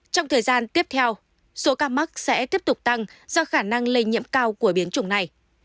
trong thời gian tiếp theo số ca mắc sẽ tiếp tục tăng do khả năng lây nhiễm cao của biến chủng này